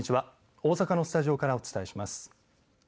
大阪のスタジオからお伝えします。